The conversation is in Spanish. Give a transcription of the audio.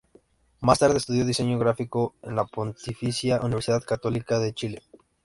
Más tarde estudió Diseño gráfico en la Pontificia Universidad Católica de Chile.